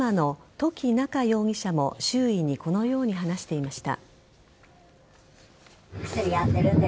土岐菜夏容疑者も周囲にこのように話していました。